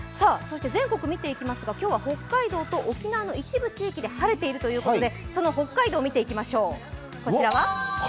全国見ていきますが今日は北海道と沖縄の一部地域で晴れているということでその北海道を見ていきましょう。